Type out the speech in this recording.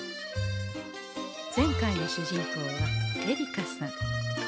前回の主人公はえりかさん。